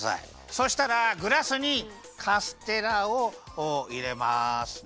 そしたらグラスにカステラをいれますね。